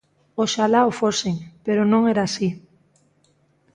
Oxalá o fosen, pero non era así.